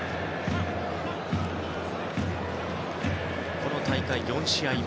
この大会、４試合目。